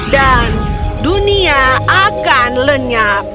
dan dunia akan lenyap